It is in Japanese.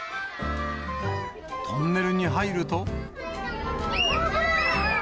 トンネルに入ると。